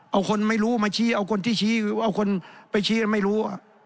เอาคนไม่รู้มาชี้เอาคนที่ชี้เอาคนไปชี้ไม่รู้